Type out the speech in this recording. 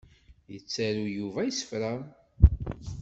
Yettaru Yuba isefra.